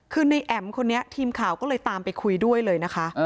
คือในแอ๋มคนนี้ทีมข่าวก็เลยตามไปคุยด้วยเลยนะคะ